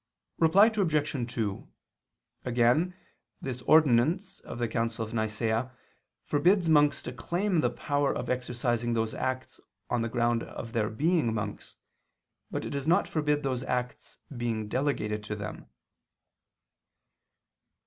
Reply Obj. 2: Again, this ordinance of the Council of Nicea forbids monks to claim the power of exercising those acts on the ground of their being monks, but it does not forbid those acts being delegated to them.